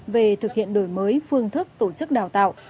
về thực hiện đổi mới phương thức tổ chức đào tạo